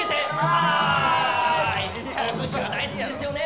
はーい！お寿司は大好きですよね？